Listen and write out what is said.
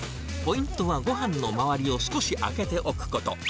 ポイントはごはんの周りを少し空けておくこと。